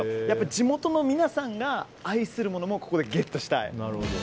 地元の皆さんが愛するものもここでゲットしたい。